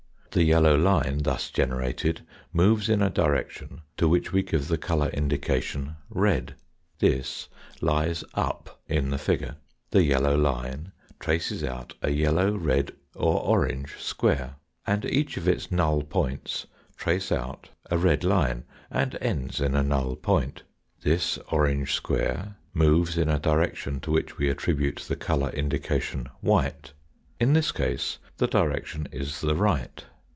The yellow line thus generated moves in a direction to which we give the colour indication red. This lies up in the figure. The yellow line traces out a yellow, red, or orange square, and each of its null points trace out a red line, and ends in a null point. This orange square moves in a direction to which we attribute the colour indication white, in this case the direction is the right.